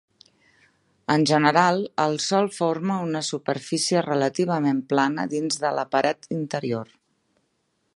En general, el sòl forma una superfície relativament plana dins de la paret interior.